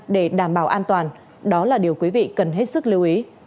để đảm bảo an toàn đó là điều quý vị cần hết sức lưu ý